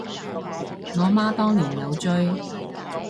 我媽當年有追